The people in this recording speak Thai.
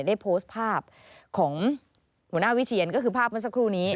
ได้โพสต์ภาพของหัวหน้าวิเชียนก็คือภาพเมื่อสักครู่นี้